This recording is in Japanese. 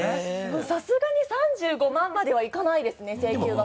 さすがに３５万まではいかないですね請求額。